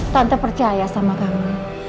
tante percaya sama kamu